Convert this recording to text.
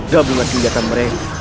dahulu kejadian mereka